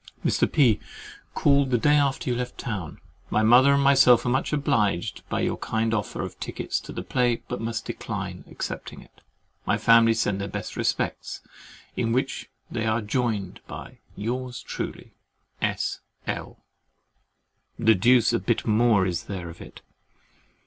Mr. P—— called the day after you left town. My mother and myself are much obliged by your kind offer of tickets to the play, but must decline accepting it. My family send their best respects, in which they are joined by Yours, truly, S. L. The deuce a bit more is there of it.